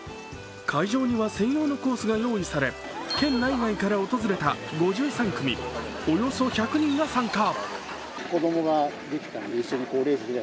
会場には専用のコースが用意され、県内外から訪れた５３組、およそ１００人が参加。